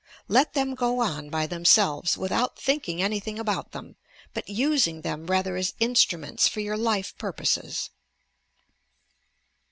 Let them go on by themselves without thinking anj thing about them, but using them rather as instruments for your life purposes.